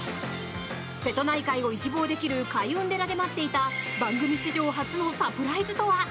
瀬戸内海を一望できる開運寺で待っていた番組史上初のサプライズとは？